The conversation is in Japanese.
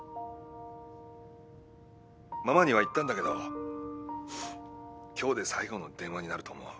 ママには言ったんだけど今日で最後の電話になると思う。